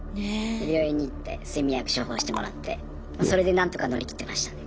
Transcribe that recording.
病院に行って睡眠薬処方してもらってそれで何とか乗り切ってました。